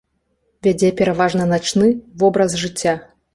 Вядзе пераважна начны вобраз жыцця.